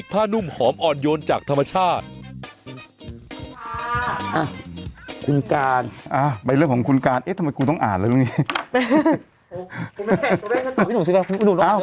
คุณการคุณการอ่ะใบเรื่องของคุณการเอ๊ะทำไมคุณต้องอ่านแล้วนี่